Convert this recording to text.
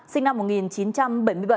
sinh năm một nghìn chín trăm bảy mươi bảy